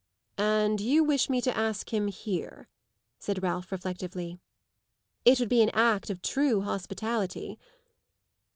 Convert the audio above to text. "And you wish me to ask him here," said Ralph reflectively. "It would be an act of true hospitality."